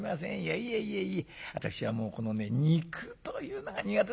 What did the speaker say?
いえいえいえ私はもうこのね肉というのが苦手でございまして。